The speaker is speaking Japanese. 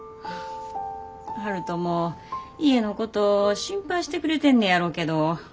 悠人も家のこと心配してくれてんねやろけど。